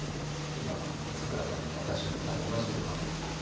今咲楽さんも私も多分同じこと考えてるんです。